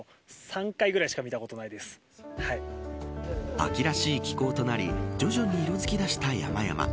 秋らしい気候となり徐々に色づきだした山々。